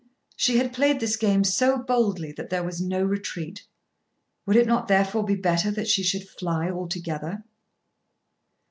She had played this game so boldly that there was no retreat. Would it not therefore be better that she should fly altogether?